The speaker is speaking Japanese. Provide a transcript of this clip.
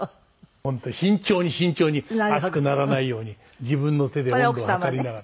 本当慎重に慎重に熱くならないように自分の手で温度を測りながら。